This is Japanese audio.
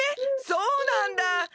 そうなんだ！